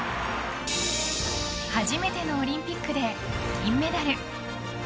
初めてのオリンピックで銀メダル。